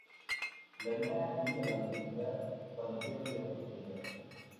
Planea ir a la universidad cuando tiene la oportunidad.